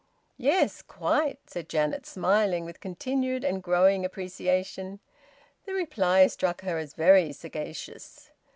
"Yes, quite!" said Janet, smiling with continued and growing appreciation. The reply struck her as very sagacious.